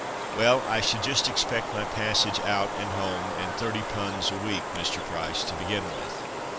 "Well, I should just expect my passage out and home, and thirty 'punds' a week, Mr. Price, to begin with."